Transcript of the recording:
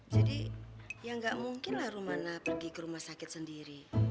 jadi ya nggak mungkin lah rumana pergi ke rumah sakit sendiri